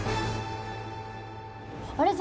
あれ？